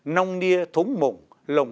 nông nia thống mộng